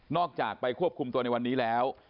จากไปควบคุมตัวในวันนี้แล้ว